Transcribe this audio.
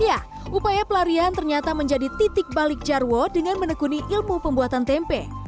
ya upaya pelarian ternyata menjadi titik balik jarwo dengan menekuni ilmu pembuatan tempe